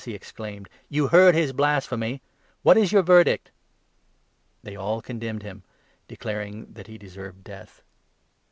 he exclaimed. "You heard his blasphemy ? What is your verdict ?" They all condemned him, declaring that he deserved death.